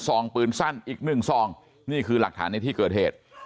องปืนสั้นอีกหนึ่งซองนี่คือหลักฐานในที่เกิดเหตุ